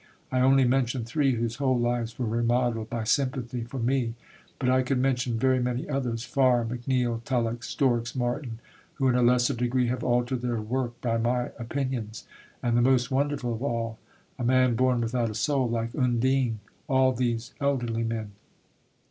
I only mention three whose whole lives were remodelled by sympathy for me. But I could mention very many others Farr, McNeill, Tulloch, Storks, Martin, who in a lesser degree have altered their work by my opinions. And, the most wonderful of all, a man born without a soul, like Undine all these elderly men.